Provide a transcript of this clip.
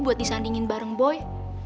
buat disandingin bareng boy